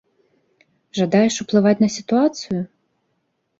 Жадаеш ўплываць на сітуацыю?